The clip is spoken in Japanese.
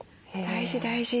大事大事。